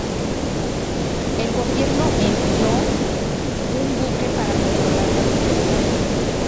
El gobierno envió un buque para controlar la situación.